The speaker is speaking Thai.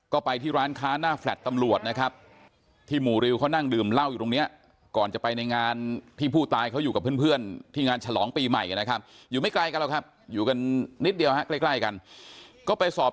ก็ไปที่ร้านค้าหน้าแฟลตตำรวจนะครับ